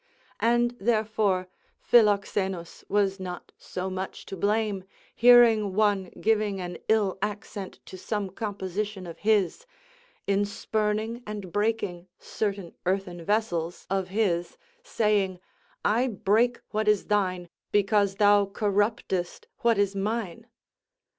And therefore Philoxenus was not so much to blame, hearing one giving an ill accent to some composition of his, in spurning and breaking certain earthen vessels of his, saying, "I break what is thine, because thou corruptest what is mine."